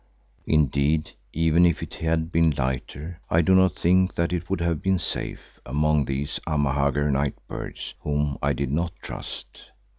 Indeed, even if it had been lighter, I do not think that it would have been safe among these Amahagger nightbirds whom I did not trust.